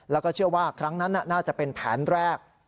แล้วก็เชื่อว่าครั้งนั้นน่าจะเป็นแผนแรก